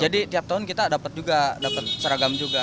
jadi tiap tahun kita dapet juga dapet seragam juga